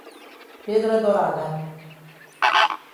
Pedra Dourada